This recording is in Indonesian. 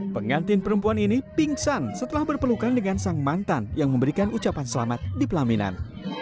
pengantin perempuan ini pingsan setelah berpelukan dengan sang mantan yang memberikan ucapan selamat di pelaminan